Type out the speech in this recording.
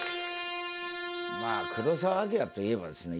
まあ黒澤明といえばですね